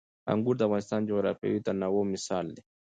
انګور د افغانستان د جغرافیوي تنوع مثال دی.